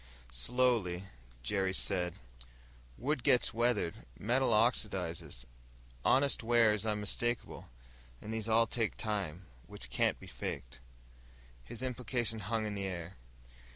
Slowly, Jerry said, "Wood gets weathered, metal oxidizes, honest wear is unmistakable. And these all take time, which can't be faked." His implication hung in the air.